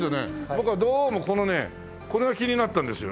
僕はどうもこのねこれが気になったんですよ